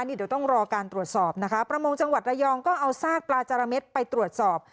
เดี๋ยวต้องรอการตรวจสอบนะคะประมงจังหวัดระยองก็เอาซากปลาจาระเม็ดไปตรวจสอบ